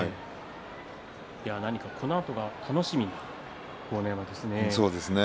何かこのあとが楽しみな豪ノ山ですね。